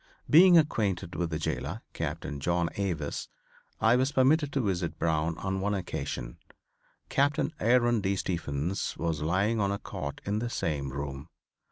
Being acquainted with the jailor, Captain John Avis, I was permitted to visit Brown on one occasion. Captain Aaron D. Stephens was lying on a cot in the same room.